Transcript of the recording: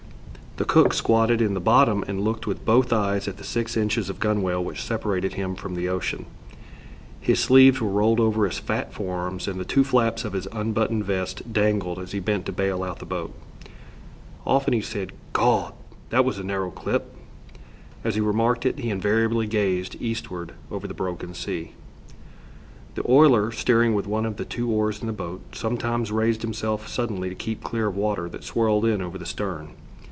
The cook squatted in the bottom and looked with both eyes at the six inches of gunwale which separated him from the ocean. His sleeves were rolled over his fat forearms, and the two flaps of his unbuttoned vest dangled as he bent to bail out the boat. Often he said: "Gawd! That was a narrow clip." As he remarked it he invariably gazed eastward over the broken sea. The oiler, steering with one of the two oars in the boat, sometimes raised himself suddenly to keep clear of water that swirled in over the stern.